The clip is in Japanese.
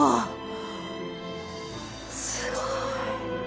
すごい。